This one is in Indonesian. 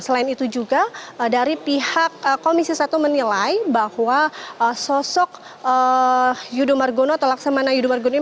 selain itu juga dari pihak komisi satu menilai bahwa sosok yudo margono atau laksamana yudo margono ini